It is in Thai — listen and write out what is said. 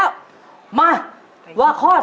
สองนาทีสี่สิบห้าวินาที